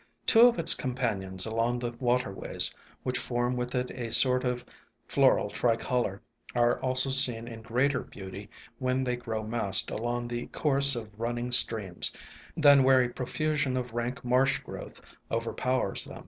Two of its companions along the waterways, which form with it a sort of floral tricolor, are also seen in greater beauty when they grow massed along the course of running streams, than where a profusion of rank marsh growth overpowers them.